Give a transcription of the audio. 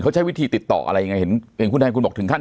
เขาใช้วิธีติดต่ออะไรยังไงเห็นอย่างคุณแทนคุณบอกถึงขั้น